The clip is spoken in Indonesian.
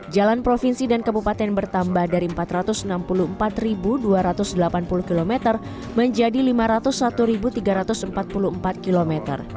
jalan provinsi dan kabupaten bertambah dari empat ratus enam puluh empat dua ratus delapan puluh km menjadi lima ratus satu tiga ratus empat puluh empat km